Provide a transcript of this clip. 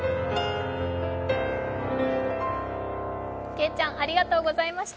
けいちゃん、ありがとうございました。